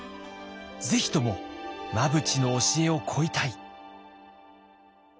ぜひとも真淵の教えを請いたい。